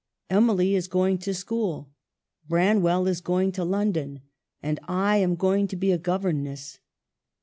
Emily is going to school, Braiiwell is going to London, and I am going to be a governess.